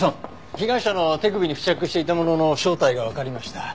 被害者の手首に付着していたものの正体がわかりました。